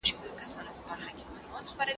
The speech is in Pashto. ژوند کوم خو ارزښتمن .